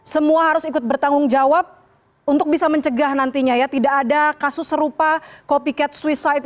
semua harus ikut bertanggung jawab untuk bisa mencegah nantinya ya tidak ada kasus serupa copy cat swisight